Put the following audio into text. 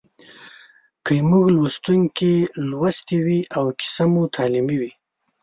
که زموږ لوستونکي لوستې وي او کیسه مو تعلیمي وي